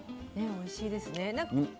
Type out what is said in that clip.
おいしいですね。